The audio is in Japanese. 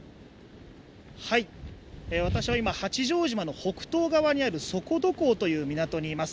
私は今、八丈島の北東側にある底土港という港にいます。